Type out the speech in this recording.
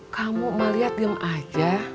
kamu maliat diem aja